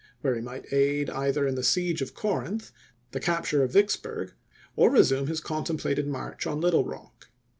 whePG he might aid either in the siege of Corinth, the capture of Vicksburg, or resume his contem plated march on Little Rock.